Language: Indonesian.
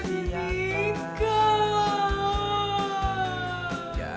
udah di nikah